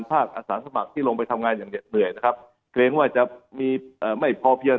อาสาสมัครที่ลงไปทำงานอย่างเด็ดเหนื่อยนะครับเกรงว่าจะมีไม่พอเพียง